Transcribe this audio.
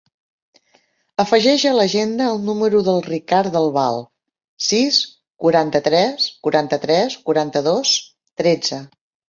Afegeix a l'agenda el número del Ricard Del Val: sis, quaranta-tres, quaranta-tres, quaranta-dos, tretze.